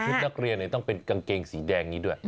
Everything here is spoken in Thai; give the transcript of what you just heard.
นักเรียนต้องเป็นกางเกงสีแดงนี้ด้วย